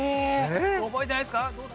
覚えてないですか？